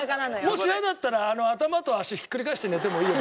もし嫌だったら頭と足ひっくり返して寝てもいいよ